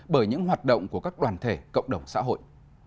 bởi những hoạt động của các đoàn thể cộng đồng xã hội